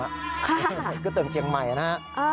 ค่ะเกื้อเติงเจียงไหมน่ะ